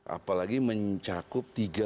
apalagi mencakup tiga puluh tiga provinsi